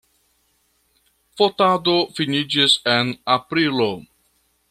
Fotado finiĝis en aprilo.